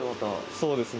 そうですね。